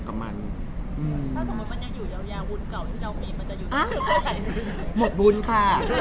ก็สมมุติมันยังอยู่ยาววุ้นเก่าที่เด้อมีมันจะอยู่บ้าง